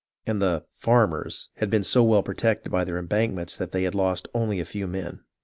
And the " farmers " had been so well protected by their em bankments that they had lost only a few men.